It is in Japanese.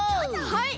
はい。